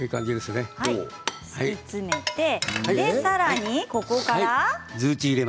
さらにここから。